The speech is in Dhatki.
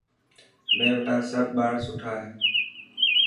مين وٽان سڀ ٻار سٺا هي.